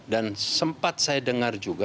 dan sempat saya dengar